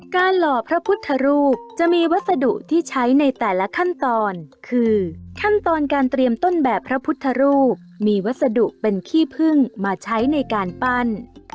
หล่อพระพุทธรูปจะมีวัสดุที่ใช้ในแต่ละขั้นตอนคือขั้นตอนการเตรียมต้นแบบพระพุทธรูปมีวัสดุเป็นขี้พึ่งมาใช้ในการปั้น